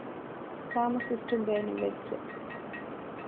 ފާމަސިސްޓުން ބޭނުންވެއްޖެ